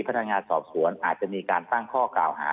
พนักงานสอบสวนอาจจะมีการตั้งข้อกล่าวหา